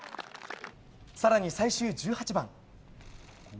更に最終１８番。